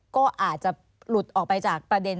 ก็อาจจะหลุดออกไปจากประเด็น